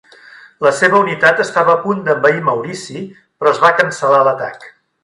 La seva unitat estava a punt d'envair Maurici, però es va cancel·lar l'atac.